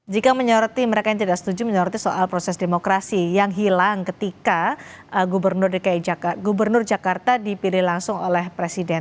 jika menyoroti mereka yang tidak setuju menyoroti soal proses demokrasi yang hilang ketika gubernur jakarta dipilih langsung oleh presiden